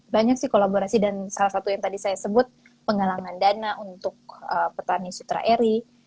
banyak sih kolaborasi dan salah satu yang tadi saya sebut penggalangan dana untuk petani sutra eri